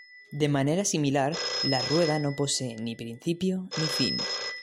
De manera similar, la rueda no posee ni principio ni fin.